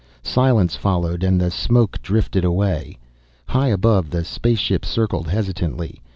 Silence followed and the smoke drifted away. High above, the spaceship circled hesitantly.